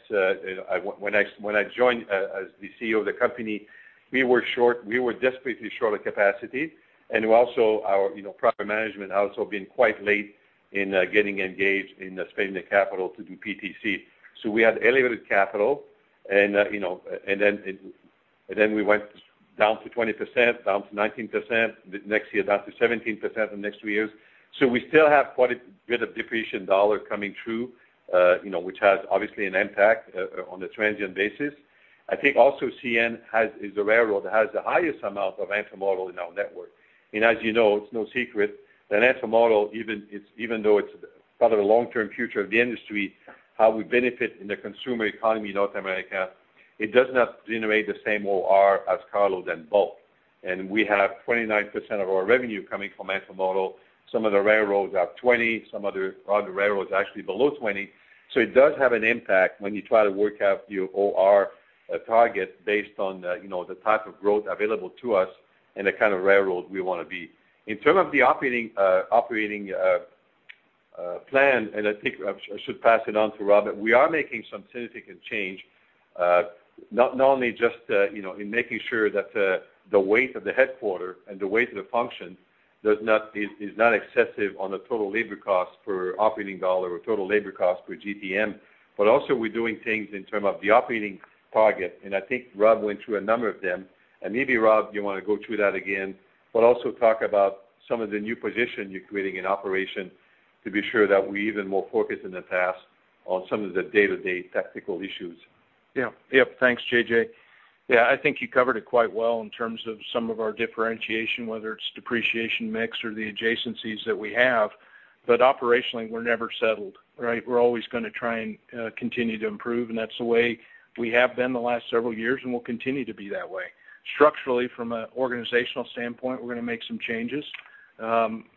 Speaker 3: When I joined as the CEO of the company, we were desperately short on capacity, and also our property management also been quite late in getting engaged in spending the capital to do PTC. We had elevated capital, and then we went down to 20%, down to 19%, next year down to 17%, the next two years. We still have quite a bit of depreciation dollar coming through, which has obviously an impact on a transient basis. I think also CN is the railroad that has the highest amount of intermodal in our network. As you know, it's no secret that intermodal, even though it's part of the long-term future of the industry, how we benefit in the consumer economy in North America, it does not generate the same OR as carload and bulk. We have 29% of our revenue coming from intermodal. Some of the railroads have 20%, some other railroads actually below 20%. It does have an impact when you try to work out your OR target based on the type of growth available to us and the kind of railroad we want to be. In term of the operating plan, and I think I should pass it on to Rob, we are making some significant change, not only just in making sure that the weight of the headquarter and the weight of the function is not excessive on the total labor cost per operating dollar or total labor cost per GTM, but also we're doing things in term of the operating target, and I think Rob went through a number of them. Maybe, Rob, you want to go through that again, but also talk about some of the new position you're creating in operation to be sure that we're even more focused in the past on some of the day-to-day tactical issues.
Speaker 5: Yeah. Thanks, JJ. I think you covered it quite well in terms of some of our differentiation, whether it's depreciation mix or the adjacencies that we have. Operationally, we're never settled, right? We're always going to try and continue to improve, and that's the way we have been the last several years, and we'll continue to be that way. Structurally, from an organizational standpoint, we're going to make some changes,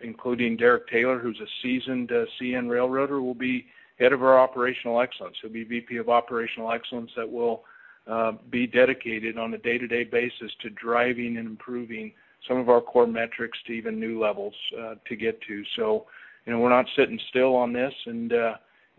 Speaker 5: including Derek Taylor, who's a seasoned CN railroader, will be head of our operational excellence. He'll be VP of operational excellence that will be dedicated on a day-to-day basis to driving and improving some of our core metrics to even new levels to get to. We're not sitting still on this, and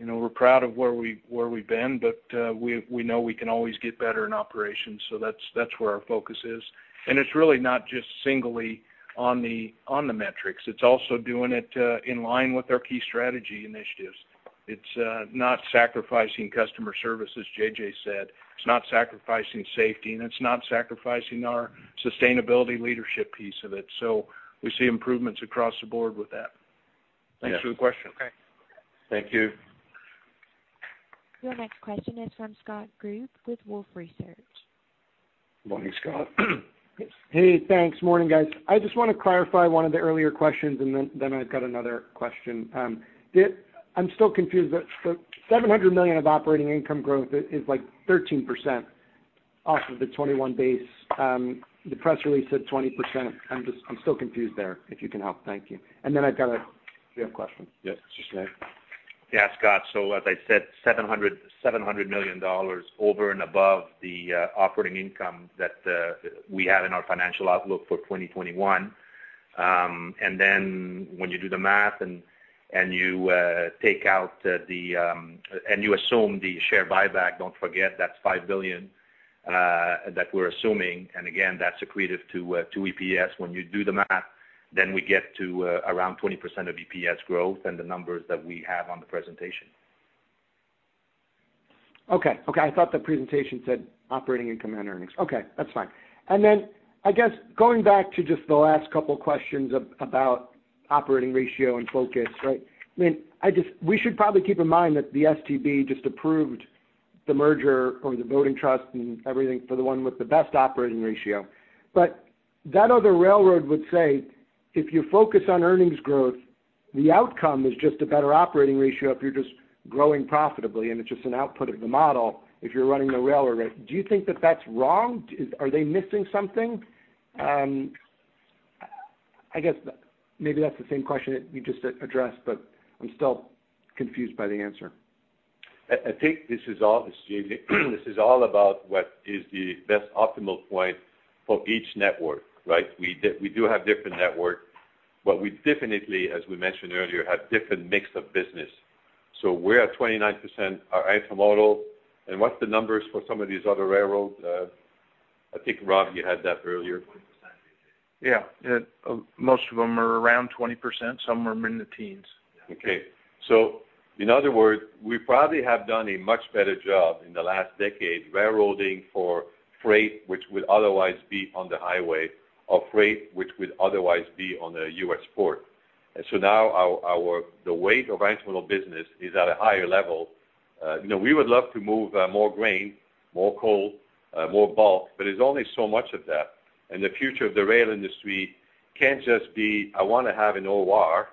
Speaker 5: we're proud of where we've been, but we know we can always get better in operations. That's where our focus is. It's really not just singly on the metrics. It's also doing it in line with our key strategy initiatives. It's not sacrificing customer service, as JJ said. It's not sacrificing safety, and it's not sacrificing our sustainability leadership piece of it. We see improvements across the board with that.
Speaker 3: Thanks for the question.
Speaker 11: Okay.
Speaker 3: Thank you.
Speaker 1: Your next question is from Scott Group with Wolfe Research.
Speaker 3: Morning, Scott.
Speaker 12: Hey, thanks. Morning, guys. I just want to clarify one of the earlier questions, and then I've got another question. I'm still confused, but the 700 million of operating income growth is like 13% off of the 2021 base. The press release said 20%. I'm still confused there, if you can help. Thank you. I've got a different question.
Speaker 3: Yes. Sure. Yeah, Scott. As I said, 700 million dollars over and above the operating income that we have in our financial outlook for 2021. When you do the math and you assume the share buyback, don't forget that's 5 billion that we're assuming, and again, that's accretive to EPS. When you do the math, we get to around 20% of EPS growth and the numbers that we have on the presentation.
Speaker 12: Okay. I thought the presentation said operating income and earnings. Okay, that's fine. Then I guess going back to just the last couple of questions about operating ratio and focus, right? We should probably keep in mind that the STB just approved the merger or the voting trust and everything for the one with the best operating ratio. That other railroad would say, if you focus on earnings growth, the outcome is just a better operating ratio if you're just growing profitably, and it's just an output of the model if you're running the railroad. Do you think that that's wrong? Are they missing something? I guess maybe that's the same question that you just addressed, but I'm still confused by the answer.
Speaker 3: This is all about what is the best optimal point for each network, right? We do have different networks, we definitely, as we mentioned earlier, have different mix of business. We are at 29% are intermodal. What's the numbers for some of these other railroads? I think, Rob, you had that earlier.
Speaker 5: 20%, I think.
Speaker 12: Yeah. Most of them are around 20%. Some are in the teens.
Speaker 3: Okay. In other words, we probably have done a much better job in the last decade railroading for freight, which would otherwise be on the highway or freight, which would otherwise be on the U.S. port. Now, the weight of intermodal business is at a higher level. We would love to move more grain, more coal, more bulk, but there's only so much of that. The future of the rail industry can't just be, I want to have an OR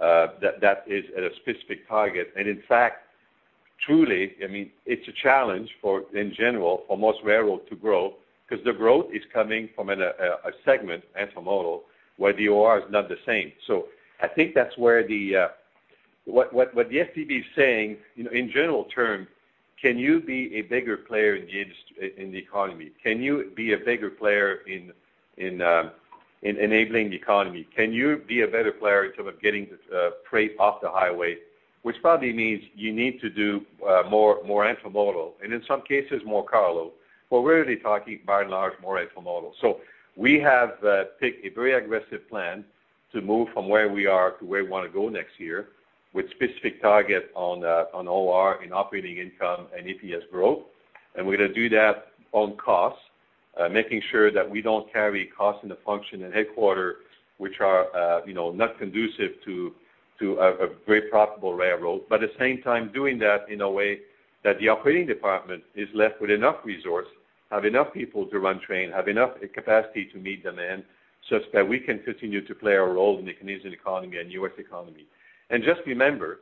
Speaker 3: that is at a specific target. In fact, truly, it's a challenge for, in general, for most railroads to grow because the growth is coming from a segment, intermodal, where the OR is not the same. I think what the STB is saying, in general term, can you be a bigger player in the economy? Can you be a bigger player in enabling the economy? Can you be a better player in terms of getting the freight off the highway? Which probably means you need to do more intermodal, and in some cases, more cargo. We're really talking, by and large, more intermodal. We have picked a very aggressive plan to move from where we are to where we want to go next year with specific target on OR in operating income and EPS growth. We're going to do that on cost, making sure that we don't carry costs in the function and headquarter, which are not conducive to a very profitable railroad. At the same time, doing that in a way that the operating department is left with enough resource, have enough people to run train, have enough capacity to meet demand such that we can continue to play a role in the Canadian economy and U.S. economy. Just remember,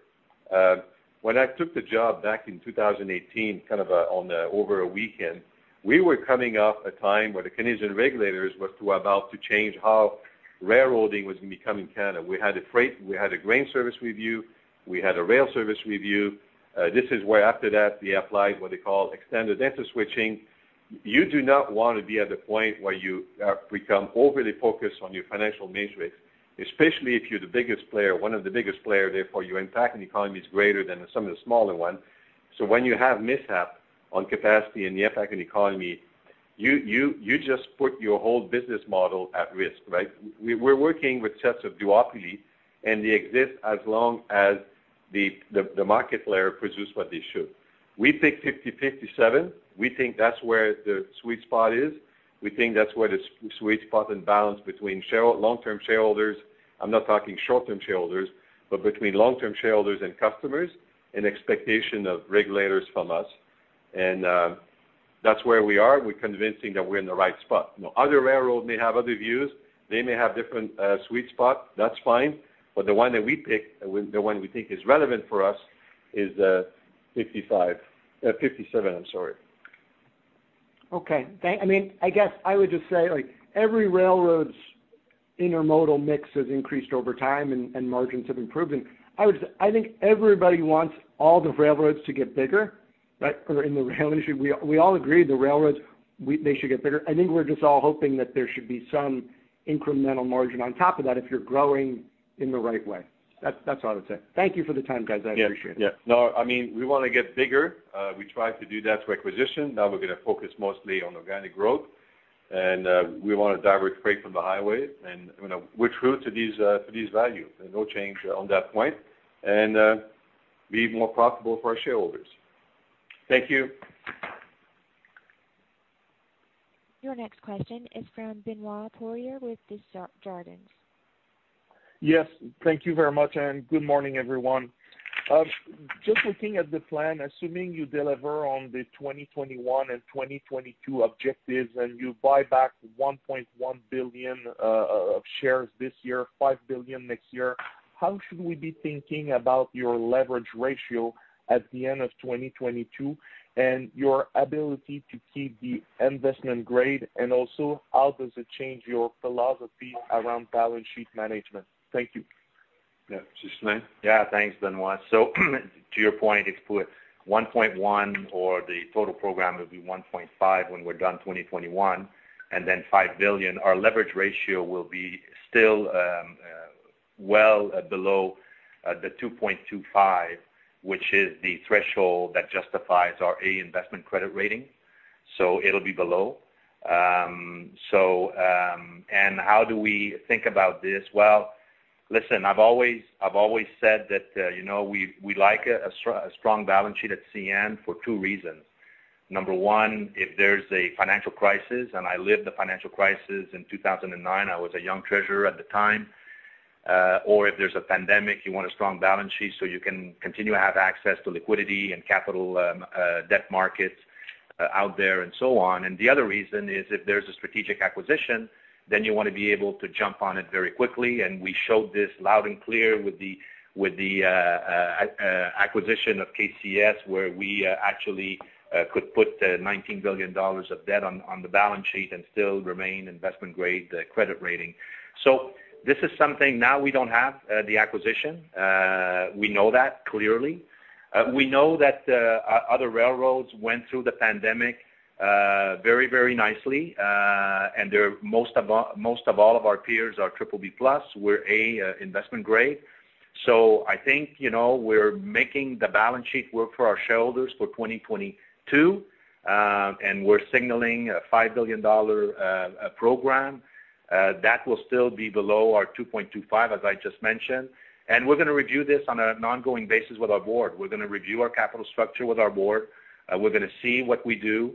Speaker 3: when I took the job back in 2018, kind of over a weekend, we were coming up a time where the Canadian regulators were about to change how railroading was going to become in Canada. We had a grain service review, we had a rail service review. This is where after that, we applied what they call extended interswitching. You do not want to be at a point where you have become overly focused on your financial metrics, especially if you're the biggest player, one of the biggest player, therefore your impact on the economy is greater than some of the smaller ones. When you have mishap on capacity and the effect on the economy, you just put your whole business model at risk, right? We're working with sets of duopoly, and they exist as long as the market player produces what they should. We pick 50/57. We think that's where the sweet spot is. We think that's where the sweet spot and balance between long-term shareholders, I'm not talking short-term shareholders, but between long-term shareholders and customers and expectation of regulators from us. That's where we are. We're convinced that we're in the right spot. Other railroads may have other views. They may have different sweet spot, that's fine. The one that we pick, the one we think is relevant for us is 57%.
Speaker 12: Okay. I guess I would just say every railroad's intermodal mix has increased over time and margins have improved. I think everybody wants all the railroads to get bigger, right? In the rail industry, we all agree the railroads, they should get bigger. I think we're just all hoping that there should be some incremental margin on top of that if you're growing in the right way. That's all I would say. Thank you for the time, guys. I appreciate it.
Speaker 3: No, we want to get bigger. We tried to do that through acquisition. Now we're going to focus mostly on organic growth, and we want to divert freight from the highway, and we're true to these values. There's no change on that point. Be more profitable for our shareholders. Thank you.
Speaker 1: Your next question is from Benoit Poirier with Desjardins.
Speaker 13: Yes. Thank you very much, and good morning, everyone. Just looking at the plan, assuming you deliver on the 2021 and 2022 objectives and you buy back 1.1 billion of shares this year, 5 billion next year, how should we be thinking about your leverage ratio at the end of 2022 and your ability to keep the investment grade? Also, how does it change your philosophy around balance sheet management? Thank you.
Speaker 3: Yeah. Ghislain?
Speaker 4: Yeah. Thanks, Benoit. To your point, if we put 1.1 billion or the total program will be 1.5 billion when we're done 2021, and then 5 billion, our leverage ratio will be still well below the 2.25, which is the threshold that justifies our A investment credit rating. It'll be below. How do we think about this? Well, listen, I've always said that we like a strong balance sheet at CN for two reasons. Number one, if there's a financial crisis, and I lived the financial crisis in 2009, I was a young treasurer at the time, or if there's a pandemic, you want a strong balance sheet so you can continue to have access to liquidity and capital, debt markets out there and so on. The other reason is, if there's a strategic acquisition, then you want to be able to jump on it very quickly, and we showed this loud and clear with the acquisition of KCS, where we actually could put 19 billion dollars of debt on the balance sheet and still remain investment-grade credit rating. This is something now we don't have, the acquisition. We know that clearly. We know that other railroads went through the pandemic very nicely. Most of all of our peers are BBB+. We're A investment-grade. I think, we're making the balance sheet work for our shareholders for 2022. We're signaling a 5 billion dollar program. That will still be below our 2.25, as I just mentioned. We're going to review this on an ongoing basis with our board. We're going to review our capital structure with our board. We're going to see what we do.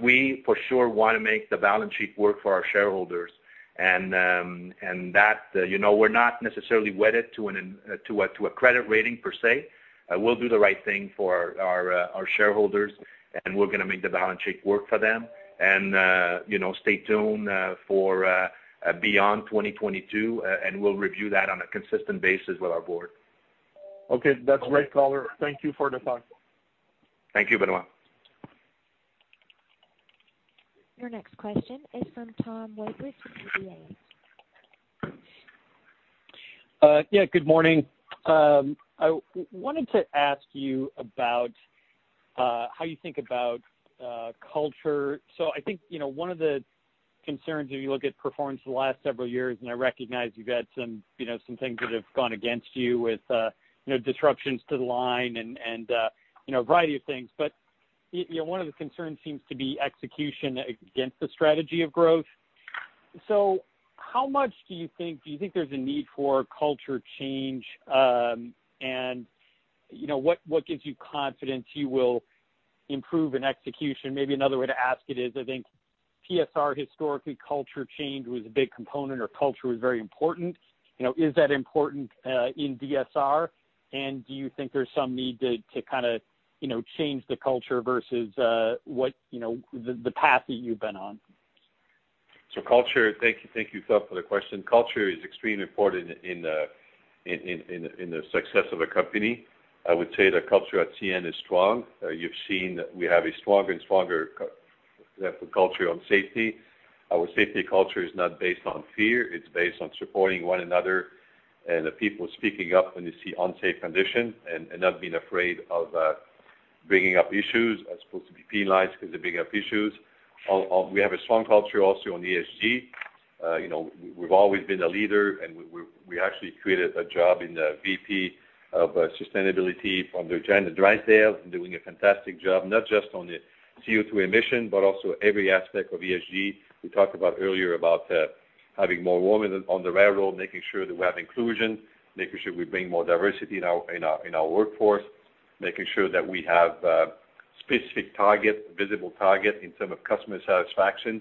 Speaker 4: We, for sure, want to make the balance sheet work for our shareholders, and that we're not necessarily wedded to a credit rating, per se. We'll do the right thing for our shareholders, and we're going to make the balance sheet work for them. Stay tuned for beyond 2022, and we'll review that on a consistent basis with our board.
Speaker 13: Okay. That's great color. Thank you for the thoughts.
Speaker 4: Thank you, Benoit.
Speaker 1: Your next question is from Tom Wadewitz with UBS.
Speaker 14: Good morning. I wanted to ask you about how you think about culture. I think one of the concerns, if you look at performance for the last several years, and I recognize you've had some things that have gone against you with disruptions to the line and a variety of things. One of the concerns seems to be execution against the strategy of growth. How much do you think there's a need for culture change? What gives you confidence you will improve in execution? Maybe another way to ask it is, I think PSR historically, culture change was a big component or culture was very important. Is that important in DSR, and do you think there's some need to change the culture versus the path that you've been on?
Speaker 3: Thank you, Tom, for the question. Culture is extremely important in the success of a company. I would say the culture at CN is strong. You've seen we have a stronger and stronger culture on safety. Our safety culture is not based on fear. It's based on supporting one another and the people speaking up when you see unsafe condition and not being afraid of bringing up issues as opposed to being penalized because of bringing up issues. We have a strong culture also on ESG. We've always been a leader, and we actually created a job in the VP of Sustainability from Janet Drysdale, and doing a fantastic job, not just on the CO2 emission, but also every aspect of ESG. We talked about earlier about having more women on the railroad, making sure that we have inclusion, making sure we bring more diversity in our workforce, making sure that we have specific target, visible target in term of customer satisfaction.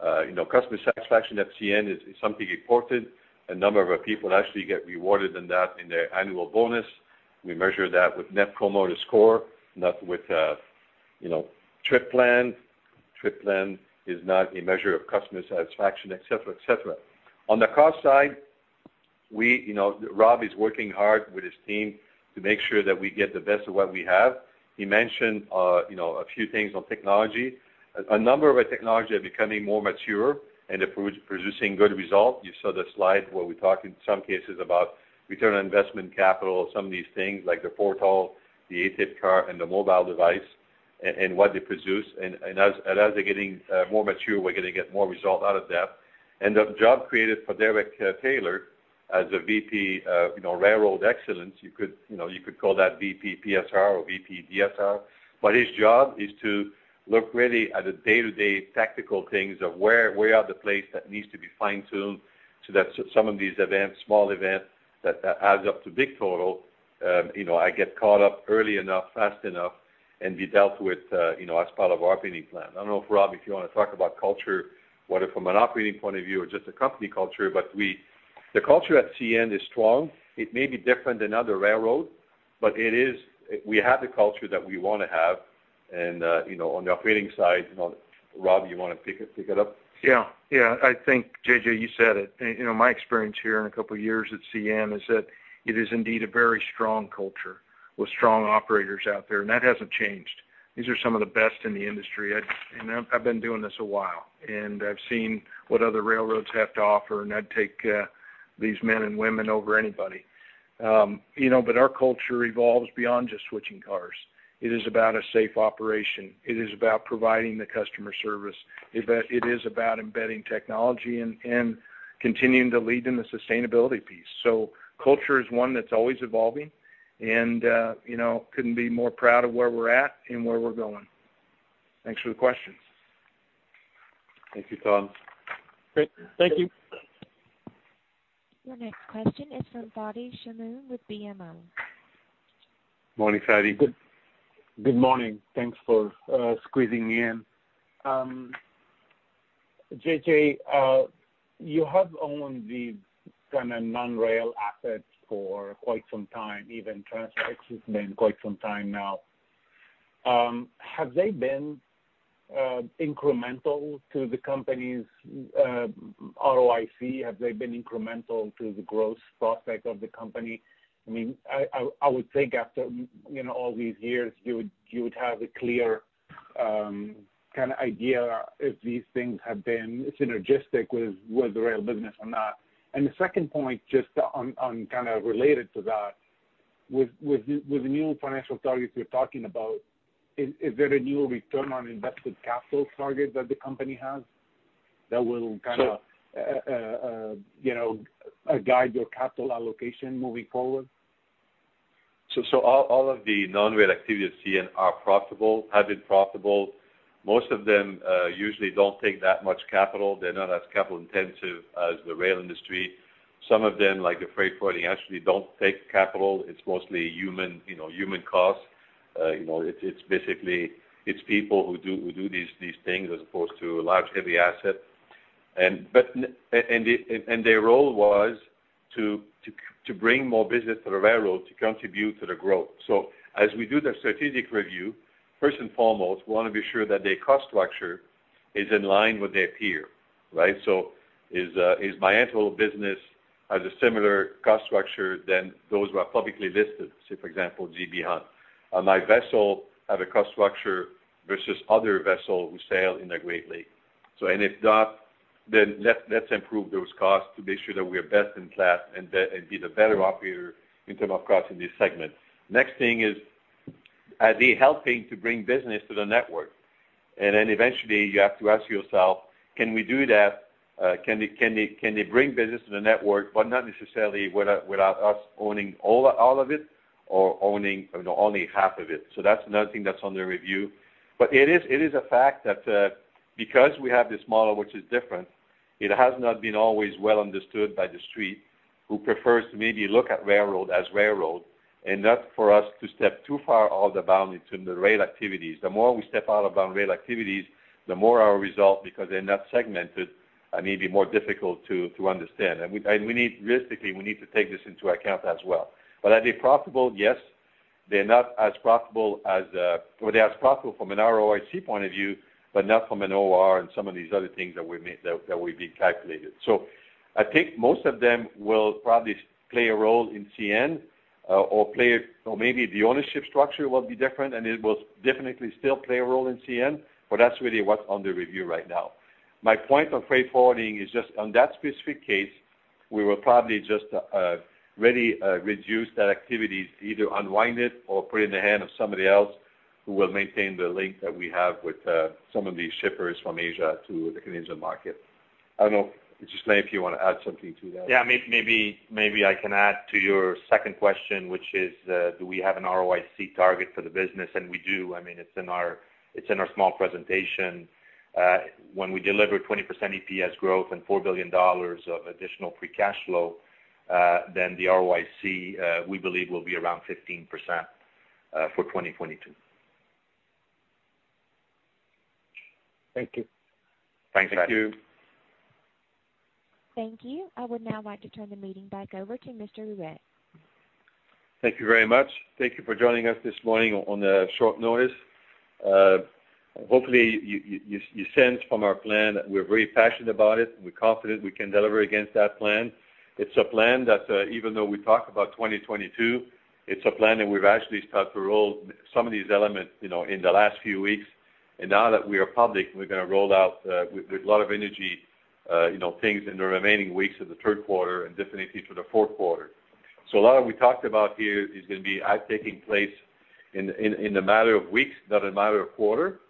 Speaker 3: Customer satisfaction at CN is something important. A number of our people actually get rewarded in that in their annual bonus. We measure that with Net Promoter Score, not with Trip Plan. Trip Plan is not a measure of customer satisfaction, et cetera. On the cost side, Rob is working hard with his team to make sure that we get the best of what we have. He mentioned a few things on technology. A number of our technology are becoming more mature and are producing good result. You saw the slide where we talked in some cases about return on investment capital, some of these things like the portal, the ATIP car, and the mobile device and what they produce. As they're getting more mature, we're going to get more result out of that. The job created for Derek Taylor as a VP of Railroad Excellence, you could call that VP PSR or VP DSR. His job is to look really at the day-to-day tactical things of where are the place that needs to be fine-tuned so that some of these events, small events that adds up to big total. I get caught up early enough, fast enough, and be dealt with as part of our operating plan. I don't know, Rob, if you want to talk about culture, whether from an operating point of view or just a company culture, but the culture at CN is strong. It may be different than other railroads, but we have the culture that we want to have. On the operating side, Rob, you want to pick it up?
Speaker 5: Yeah. I think, JJ, you said it. My experience here in a couple of years at CN is that it is indeed a very strong culture with strong operators out there, and that hasn't changed. These are some of the best in the industry. I've been doing this a while, and I've seen what other railroads have to offer, and I'd take these men and women over anybody. Our culture evolves beyond just switching cars. It is about a safe operation. It is about providing the customer service. It is about embedding technology and continuing to lead in the sustainability piece. Culture is one that's always evolving, and couldn't be more proud of where we're at and where we're going. Thanks for the questions.
Speaker 3: Thank you, Tom.
Speaker 14: Great. Thank you.
Speaker 1: Your next question is from Fadi Chamoun with BMO.
Speaker 3: Morning, Fadi.
Speaker 15: Good morning. Thanks for squeezing me in. JJ, you have owned the kind of non-rail assets for quite some time. Even TransX has been quite some time now. Have they been incremental to the company's ROIC? Have they been incremental to the growth prospect of the company? I would think after all these years, you would have a clear idea if these things have been synergistic with the rail business or not. The second point, just on kind of related to that, with the new financial targets you're talking about, is there a new return on invested capital target that the company has that will kind of guide your capital allocation moving forward?
Speaker 3: All of the non-rail activities at CN are profitable, have been profitable. Most of them usually don't take that much capital. They're not as capital-intensive as the rail industry. Some of them, like the freight forwarding, actually don't take capital. It's mostly human cost. It's people who do these things as opposed to large, heavy assets. Their role was to bring more business to the railroad to contribute to the growth. As we do the strategic review, first and foremost, we want to be sure that their cost structure is in line with their peer, right? Is my entire business as a similar cost structure than those who are publicly listed, say, for example, J.B. Hunt? My vessel have a cost structure versus other vessel who sail in the Great Lakes. If not, let's improve those costs to make sure that we are best in class and be the better operator in term of cost in this segment. Next thing is, are they helping to bring business to the network? Eventually you have to ask yourself, can we do that? Can they bring business to the network, but not necessarily without us owning all of it or owning only half of it? That's another thing that's under review. It is a fact that because we have this model which is different, it has not been always well understood by the street, who prefers to maybe look at railroad as railroad, and not for us to step too far out of the boundary to the rail activities. The more we step out of bound rail activities, the more our result, because they're not segmented, may be more difficult to understand. Realistically, we need to take this into account as well. Are they profitable? Yes. They are as profitable from an ROIC point of view, but not from an OR and some of these other things that will be calculated. I think most of them will probably play a role in CN, or maybe the ownership structure will be different, and it will definitely still play a role in CN, but that's really what's under review right now. My point on freight forwarding is just on that specific case, we will probably just really reduce that activity, either unwind it or put it in the hand of somebody else who will maintain the link that we have with some of these shippers from Asia to the Canadian market. I don't know, Ghislain, if you want to add something to that.
Speaker 4: Yeah, maybe I can add to your second question, which is, do we have an ROIC target for the business? We do. It's in our small presentation. When we deliver 20% EPS growth and 4 billion dollars of additional free cash flow, then the ROIC, we believe, will be around 15% for 2022.
Speaker 15: Thank you.
Speaker 4: Thanks, Fadi.
Speaker 3: Thank you.
Speaker 1: Thank you. I would now like to turn the meeting back over to Mr. Ruest.
Speaker 3: Thank you very much. Thank you for joining us this morning on short notice. Hopefully, you sense from our plan that we're very passionate about it. We're confident we can deliver against that plan. It's a plan that even though we talk about 2022, it's a plan that we've actually started to roll some of these elements in the last few weeks. Now that we are public, we're going to roll out with a lot of energy, things in the remaining weeks of the third quarter and definitely through the fourth quarter. A lot of what we talked about here is going to be taking place in a matter of weeks, not a matter of quarter.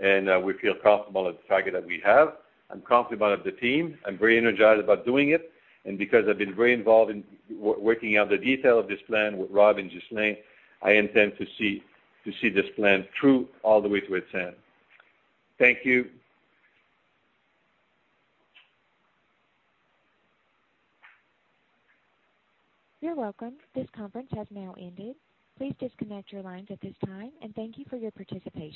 Speaker 3: We feel comfortable with the target that we have. I'm confident about the team. I'm very energized about doing it. Because I've been very involved in working out the detail of this plan with Rob and Ghislain, I intend to see this plan through all the way to its end. Thank you.
Speaker 1: You're welcome. This conference has now ended. Please disconnect your lines at this time, and thank you for your participation.